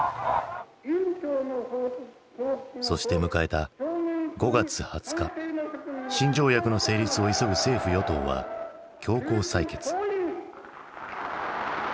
そして迎えた５月２０日新条約の成立を急ぐ政府与党は強行採決。